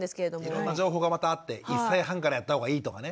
いろんな情報がまたあって１歳半からやった方がいいとかね。